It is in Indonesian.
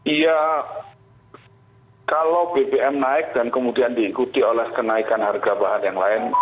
iya kalau bbm naik dan kemudian diikuti oleh kenaikan harga bahan yang lain